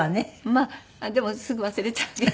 まあでもすぐ忘れちゃうけど。